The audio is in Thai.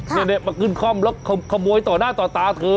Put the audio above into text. มาขึ้นคอมล็อกขโมยต่อหน้าต่อตาเธอ